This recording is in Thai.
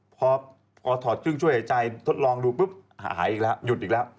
พอถอดเครื่องช่วยหายใจทดลองดูปุ๊บหายอีกแล้วหยุดอีกแล้ว